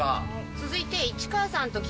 続いて。